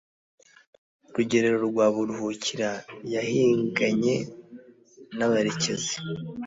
Rugerero rwa Buruhukira yahiganye n,abarekezi